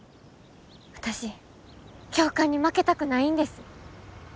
私教官に負けたくないんです。